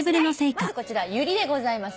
まずこちらユリでございます。